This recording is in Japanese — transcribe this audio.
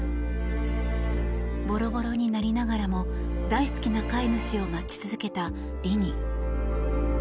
ボロボロになりながらも大好きな飼い主を待ち続けたリニ。